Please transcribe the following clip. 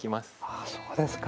あそうですか。